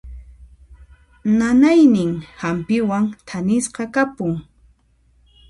Nanayniy hampiwan thanisqa kapun.